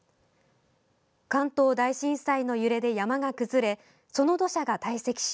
関東大震災の揺れで山が崩れその土砂が堆積し